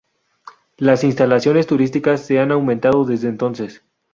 Las instalaciones turísticas se han aumentado desde entonces.